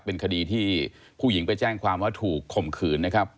เป็นคดีที่ผู้หญิงไปแจ้งความว่าถูกข่มขืนนะครับ